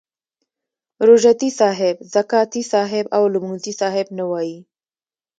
روژه تي صاحب، زکاتې صاحب او لمونځي صاحب نه وایي.